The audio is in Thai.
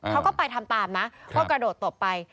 เขาก็ไปทำตามนะก็กระโดดตบไป